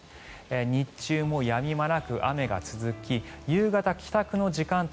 日中もやみ間なく雨が続き夕方、帰宅の時間帯